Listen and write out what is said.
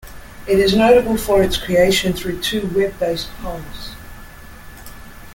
It is notable for its creation through two web-based polls.